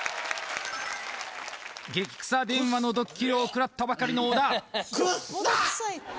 ゲキ臭電話のドッキリを食らったばかりの小田